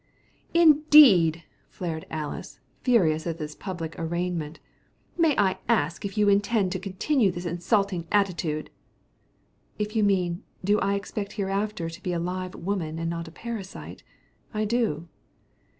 "Indeed!" flared Alys, furious at this public arraignment. "May I ask if you intend to continue this insulting attitude?" "If you mean, do I expect hereafter to be a live woman and not a parasite I do."